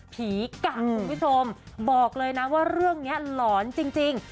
กะคุณผู้ชมบอกเลยนะว่าเรื่องนี้หลอนจริง